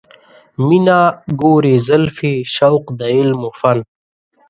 مینه، ګورې زلفې، شوق د علم و فن